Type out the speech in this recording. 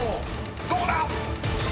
［どうだ⁉］